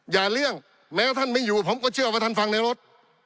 เลี่ยงแม้ท่านไม่อยู่ผมก็เชื่อว่าท่านฟังในรถ